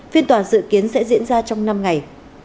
phiên tòa dự kiến sẽ diễn ra trong năm ngày